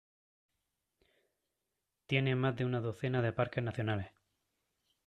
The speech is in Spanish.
Tiene más de una docena de parques nacionales.